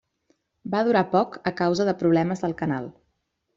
Va durar poc a causa de problemes del canal.